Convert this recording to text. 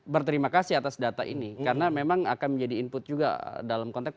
berterima kasih atas data ini karena memang akan menjadi input juga dalam konteks